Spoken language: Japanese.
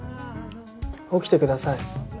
起きてください。